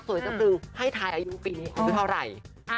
สวยสะพรึงให้ทายอายุปีนี้คือเท่าไหร่